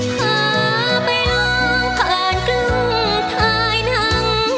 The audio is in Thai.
พาไปลองผ่านกลึ้งทายหนัง